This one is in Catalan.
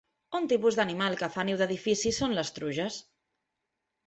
Un tipus d'animal que fa niu d'edifici són les truges.